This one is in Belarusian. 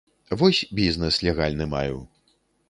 Вось бізнэс легальны маю.